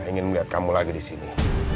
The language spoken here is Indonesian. aku ingin melihat kamu lagi disini